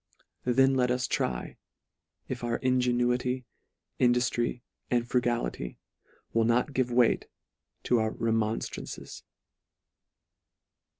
Then let us try, if our ingenuity, induftry, and frugality, will not give weight to our remonftrances.